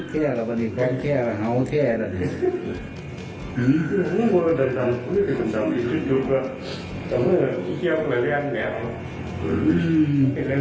เห็นเป็นตัวเลยคุณผู้ชม